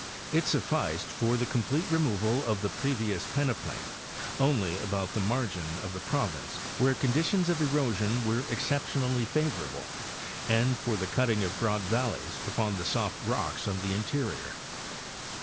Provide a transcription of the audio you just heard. Ifsufficed for the complete removal of the previous peneplain only about the mar gin of the province, where conditions of erosion were exception ally favorable, and for the cutting of broad valleys upon the soft rocks of the interior.